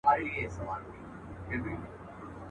هره مياشت به دوې هفتې پاچا په ښكار وو.